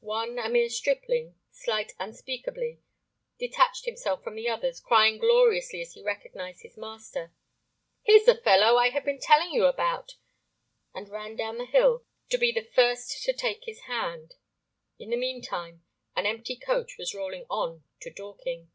One, a mere stripling, "slight unspeakably," detached himself from the others, crying gloriously as he recognized his master, "Here's[Pg 14] the fellow I have been telling you about!" and ran down the hill to be the first to take his hand. In the meantime an empty coach was rolling on to Dorking.